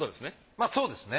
まあそうですね。